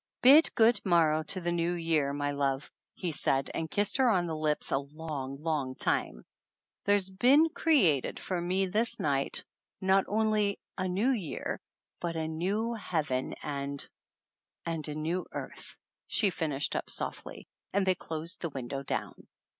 "Bid good morrow to the New Year, my love," he said and kissed her on the lips a long, long time. "There has been created for me this night not only a new year, but a new Heaven and "And a new earth," she finished up softly, and they closed the window down.